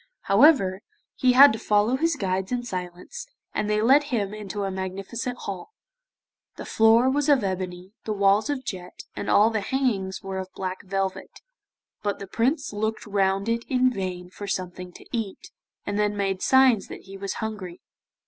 However, he had to follow his guides in silence, and they led him into a magnificent hall; the floor was of ebony, the walls of jet, and all the hangings were of black velvet, but the Prince looked round it in vain for something to eat, and then made signs that he was hungry.